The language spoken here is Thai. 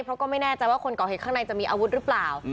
เพราะก็ไม่แน่ใจว่าคนก่อเหตุข้างในจะมีอาวุธหรือเปล่า